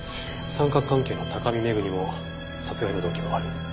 三角関係の高見メグにも殺害の動機はある。